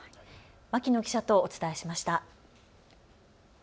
牧野記者とお伝えしました。